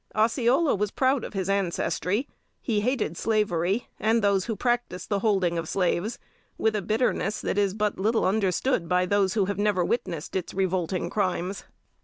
Osceola was proud of his ancestry. He hated slavery, and those who practiced the holding of slaves, with a bitterness that is but little understood by those who have never witnessed its revolting crimes.